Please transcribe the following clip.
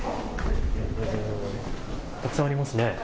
たくさんありますね。